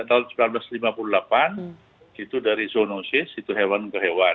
tahun seribu sembilan ratus lima puluh delapan itu dari zoonosis itu hewan ke hewan